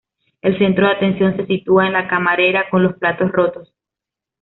El centro de atención se sitúa en la camarera con los platos rotos.